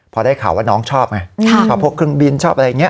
พอได้ข่าวว่าน้องชอบไงพอพวกเครื่องบินชอบอะไรอย่างนี้